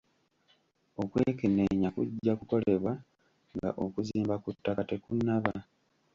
Okwekenneenya kujja kukolebwa nga okuzimba ku ttaka tekunnaba.